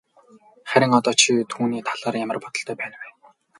Харин одоо чи түүний талаар ямар бодолтой байна вэ?